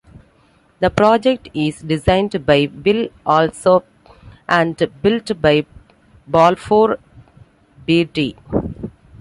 The project is designed by Will Alsop and built by Balfour Beatty.